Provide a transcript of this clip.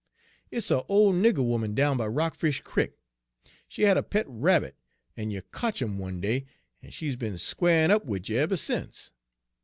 " 'It's a' ole nigger 'oman down by Rockfish Crick. She had a pet rabbit, en you cotch' 'im one day, en she's been squarin' up wid you eber sence.